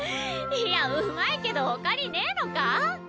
いやうまいけどほかにねぇのか？